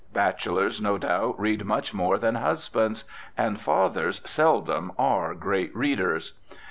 Bachelors no doubt read much more than husbands. And fathers seldom are great readers.